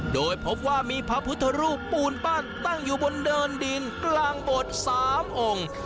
โดยพบว่ามีพระพุทธรูปปูนปั้นตั้งอยู่บนเดินดินกลางโบสถ์๓องค์